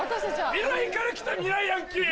未来から来た未来ヤンキー。